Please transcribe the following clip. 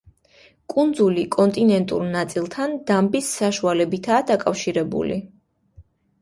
კუნძული კონტინენტურ ნაწილთან დამბის საშუალებითაა დაკავშირებული.